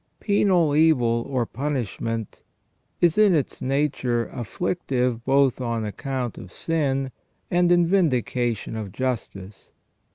Penal evil or punishment is in its nature afflictive both on account of sin and in vindication of justice.